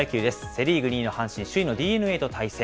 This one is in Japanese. セ・リーグ２位の阪神、首位のＤｅＮＡと対戦。